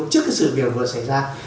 trước cái sự việc vừa xảy ra